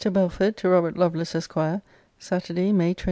BELFORD, TO ROBERT LOVELACE, ESQ. SATURDAY, MAY 20.